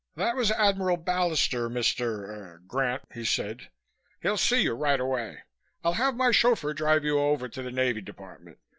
"That was Admiral Ballister, Mr. er Grant," he said. "He'll see you right away. I'll have my chauffeur drive you over to the Navy Department.